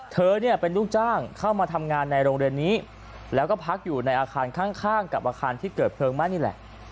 เธอเนี่ยเป็นลูกจ้างเข้ามาทำงานในโรงเรียนนี้แล้วก็พักอยู่ในอาคารข้างกับอาคารที่เกิดเพลิงไหม้นี่แหละ